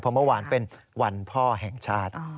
เพราะเมื่อวานเป็นวันพ่อแห่งชาติ